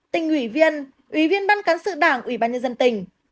tỉnh ủy viên ủy viên ban cán sự đảng ủy ban nhân dân tỉnh